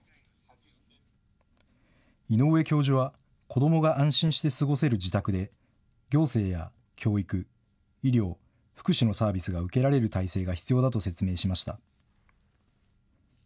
井上教授は、子どもが安心して過ごせる自宅で、行政や教育、医療、福祉のサービスが受けられる体制が必要だと説明しました。